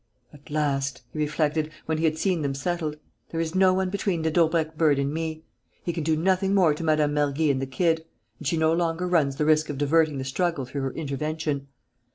"At last," he reflected, when he had seen them settled, "there is no one between the Daubrecq bird and me. He can do nothing more to Mme. Mergy and the kid; and she no longer runs the risk of diverting the struggle through her intervention.